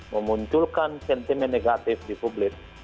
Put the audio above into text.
memunculkan sentimen negatif di publik